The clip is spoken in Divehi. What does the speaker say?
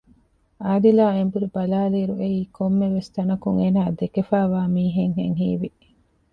އާދިލާ އެނބުރި ބަލާލިއިރު އެއީ ކޮންމެވެސް ތަނަކުން އޭނާ ދެކެފައިވާ މީހެއްހެން ހީވި